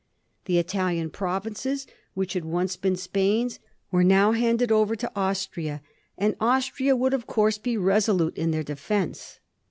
The Italian provinces which had once been Spain's were now handed over to Austria, and Austria would of course be resolute in their defence.